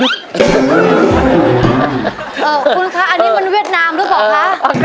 คุณคะอันนี้มันเวียดนามหรือเปล่าคะ